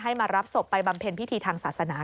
มารับศพไปบำเพ็ญพิธีทางศาสนา